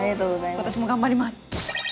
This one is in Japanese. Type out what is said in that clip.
私も頑張ります。